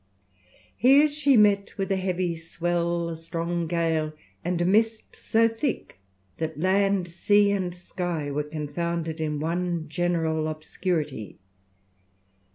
Here she met with a heavy swell, a strong gale, and a mist so thick that land, sea, and sky were confounded in one general obscurity.